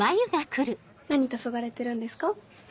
何たそがれてるんですか？